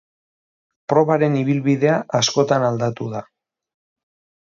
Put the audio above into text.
Probaren ibilbidea askotan aldatu da.